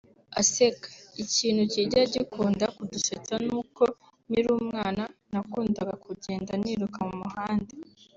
(Aseka) Ikintu kijya gikunda kudusetsa ni uko nkiri umwana nakundaga kugenda niruka mu muhanda